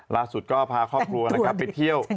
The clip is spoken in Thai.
ล่าสุดก็พาครอบครัวนะครับไปเที่ยว